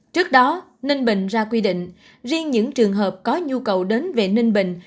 trước đó ninh bình ra quy định riêng những trường hợp có nhu cầu đến về ninh bình